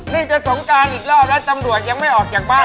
นี่จะสงการอีกรอบแล้วตำรวจยังไม่ออกจากบ้าน